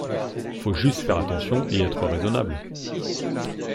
Faut juste faire attention et être raisonnable.